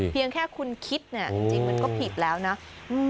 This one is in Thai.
เพียงแค่คุณคิดเนี่ยจริงมันก็ผิดแล้วนะ